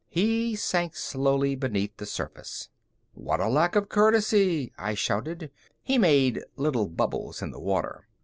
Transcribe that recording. He sank slowly beneath the surface. "What lack of courtesy!" I shouted. He made little bubbles in the water.